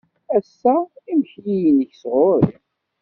Ass-a, imekli-nnek sɣur-i.